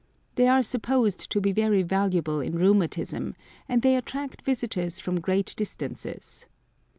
They are supposed to be very valuable in rheumatism, and they attract visitors from great distances.